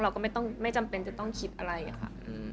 เราก็ไม่จำเป็นจะต้องคิดอะไรอะค่ะ